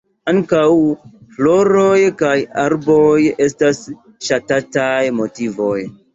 Ankaŭ floroj kaj arboj estas ŝatataj motivoj.